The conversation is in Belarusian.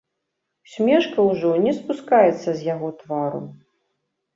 Усмешка ўжо не спускаецца з яго твару.